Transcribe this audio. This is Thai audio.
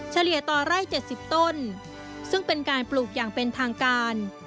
เฉลี่ยต่อไร่๗๐ต้นซึ่งเป็นการปลูกอย่างเป็นทางการ